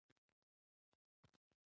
لوستې میندې ماشوم ته سالم عادتونه ورزده کوي.